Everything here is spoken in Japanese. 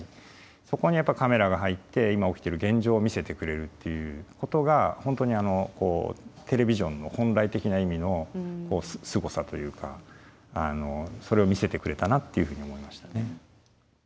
そこにカメラが入って今起きてる現状を見せてくれるっていうことが本当にテレビジョンの本来的な意味のすごさというかそれを見せてくれたなっていうふうに思いましたね。